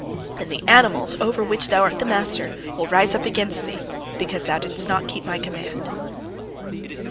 And the animals over which thou art the master will rise up against thee, because thou didst not keep my command."